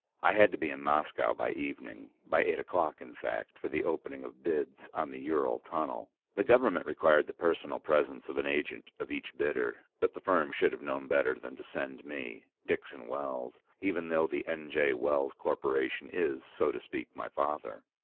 I had to be in Moscow by evening, by eight o'clock, in fact, for the opening of bids on the Ural Tunnel. The Government required the personal presence of an agent of each bidder, but the firm should have known better than to send me, Dixon Wells, even though the N. J. Wells Corporation is, so to speak, my father.